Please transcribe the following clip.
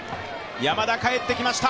山田、帰ってきました。